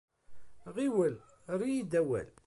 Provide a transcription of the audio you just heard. Ɣiwel, err-iyi-d awal!